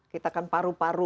kita kan paru paru